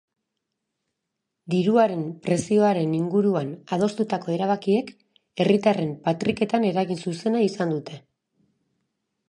Diruaren prezioaren inguruan adostutako erabakiek herritarren patriketan eragin zuzena izan dute.